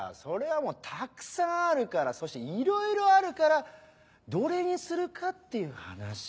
それはもうたくさんあるからそしていろいろあるからどれにするかっていう話。